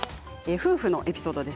夫婦のエピソードです。